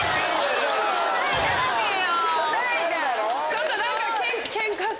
ちょっと何か。